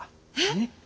えっ！